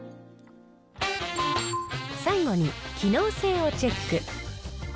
最後に、機能性をチェック。